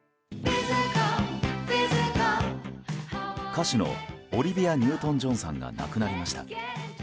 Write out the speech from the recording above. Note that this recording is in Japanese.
歌手のオリビア・ニュートン・ジョンさんが亡くなりました。